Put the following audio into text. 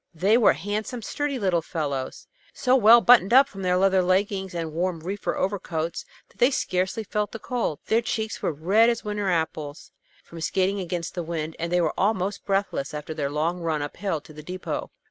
They were handsome, sturdy little fellows, so well buttoned up in their leather leggins and warm reefer overcoats that they scarcely felt the cold. Their cheeks were red as winter apples, from skating against the wind, and they were almost breathless after their long run up hill to the depot.